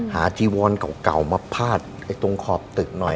จีวอนเก่ามาพาดตรงขอบตึกหน่อย